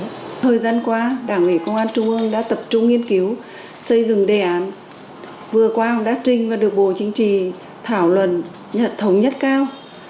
trong thời gian qua đảng ủy công an trung ương đã tập trung nghiên cứu xây dựng đề án vừa qua đã trình và được bộ chính trị thảo luận nhận thống nhất cao